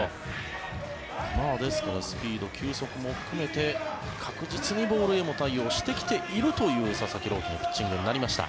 ですからスピード、球速も含めて確実にボールへも対応してきているという佐々木朗希のピッチングになりました。